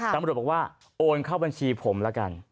ตำรวจบอกว่าโอนเข้าบัญชีผมแล้วกัน